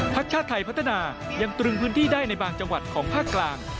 ชาติไทยพัฒนายังตรึงพื้นที่ได้ในบางจังหวัดของภาคกลาง